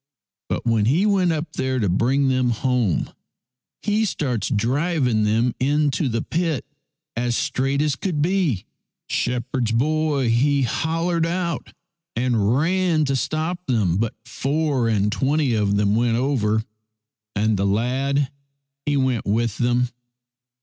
But when he went up there to bring them home, he starts driving them into the pit as straight as could be. Shepherd's boy he hollered out and ran to stop them, but four and twenty of them went over, and the lad he went with them.